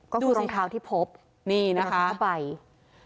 ก็คือรองเท้าที่พบรองเท้าข้าวไปนี่นะคะ